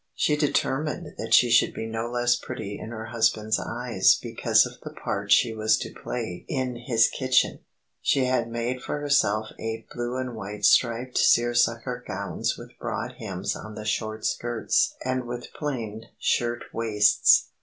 She determined that she should be no less pretty in her husband's eyes because of the part she was to play in his kitchen. She had made for herself eight blue and white striped seersucker gowns with broad hems on the short skirts and with plain shirt waists.